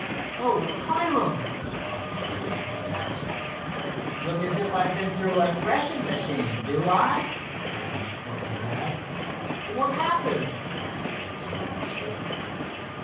"Oh, Hiram!" cried Dave aghast. "Look is if I'd been through a threshing machine, do I?" grinned the plucky lad. "What happened?" asked Dave seriously.